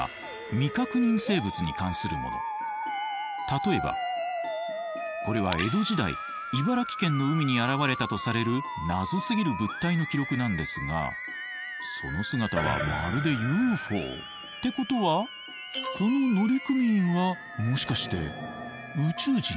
例えばこれは江戸時代茨城県の海に現れたとされるナゾすぎる物体の記録なんですがその姿はまるでＵＦＯ！ってことはこの乗組員はもしかして宇宙人？